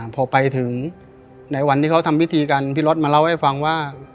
พอไปถึงในวันที่เขาทำพิธีกันพี่รถมาเล่าให้ฟังว่า